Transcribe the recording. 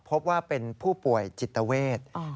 พบว่าเป็นผู้ป่วยจิตเวท